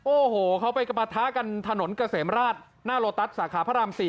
โอ้โหเขาไปมาท้ากันถนนเกษมราชหน้าโรตัสสาขาพรรม๔เข็ดคลองเตย